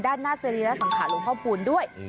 ด้านหน้าซีรีส์และสังขาลุงพ่อพูลด้วย